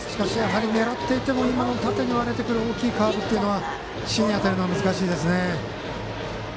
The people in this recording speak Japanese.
狙っていっても縦に割れてくる大きいカーブは芯に当てるのは難しいですね。